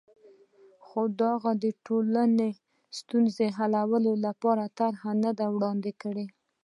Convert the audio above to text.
خو د دغو ټولنو ستونزو حل لپاره طرحه نه ده وړاندې کړې.